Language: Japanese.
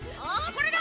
これだ！